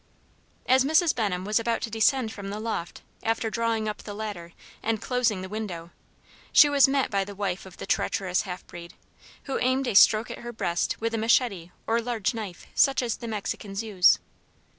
As Mrs. Benham was about to descend from the loft, after drawing up the ladder and closing the window, she was met by the wife of the treacherous half breed, who aimed a stroke at her breast with a machete or large knife, such as the Mexicans use.